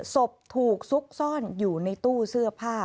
ศพถูกซุกซ่อนอยู่ในตู้เสื้อผ้า